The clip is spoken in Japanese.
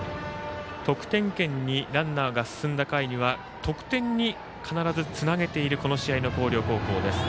得点圏にランナーが進んだ回には得点に必ずつなげているこの試合の広陵高校です。